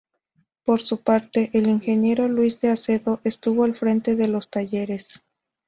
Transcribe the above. Por su parte, el ingeniero Luis de Acedo estuvo al frente de los talleres.